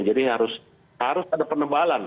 jadi harus ada penebalan